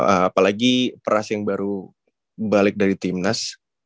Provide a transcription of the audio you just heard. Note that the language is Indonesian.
apalagi pras yang baru balik dari timnas